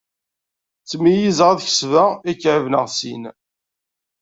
Ttmeyyizeɣ ad kesbeɣ ikɛeb neɣ sin.